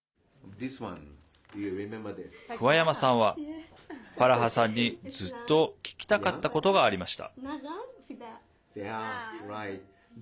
桑山さんはファラハさんにずっと聞きたかったことがありました。